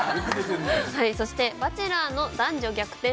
そして『バチェラー』の男女逆転